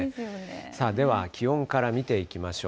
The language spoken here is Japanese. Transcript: さあ、では気温から見ていきましょう。